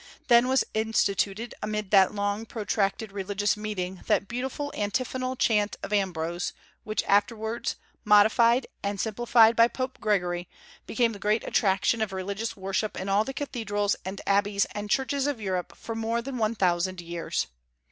Then was instituted, amid that long protracted religious meeting that beautiful antiphonal chant of Ambrose, which afterwards, modified and simplified by Pope Gregory, became the great attraction of religious worship in all the cathedrals and abbeys and churches of Europe for more than one thousand years.